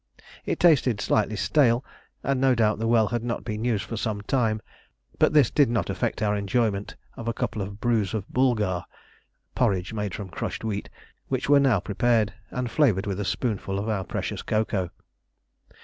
It tasted slightly stale, and no doubt the well had not been used for some time; but this did not affect our enjoyment of a couple of brews of "boulgar" (porridge made from crushed wheat), which were now prepared, and flavoured with a spoonful of our precious cocoa.